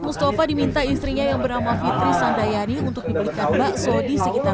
mustafa diminta istrinya yang bernama fitri sandayani untuk dibelikan bakso di sekitar